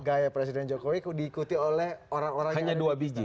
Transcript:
gaya presiden joko widodo diikuti oleh orang orang yang ada di sekitar